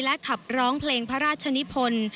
และขับร้องเพลงพระราชนิพล